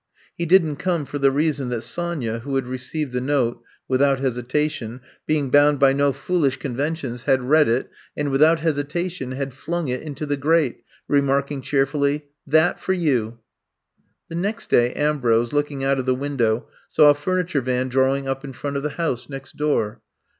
He didn't come for the reason that Sonya, who had received the note, without hesitaticm — ^being bound by no foolish con I'VE COME TO STAY 169 ventions — had read it, and without hesita tion, had flung it into the grate, remarking cheerfully :'' That for you I '' The next day, Ambrose, looking out of the window, saw a furniture van drawing up in front of the house next door.